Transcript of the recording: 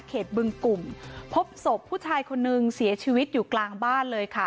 บึงกลุ่มพบศพผู้ชายคนนึงเสียชีวิตอยู่กลางบ้านเลยค่ะ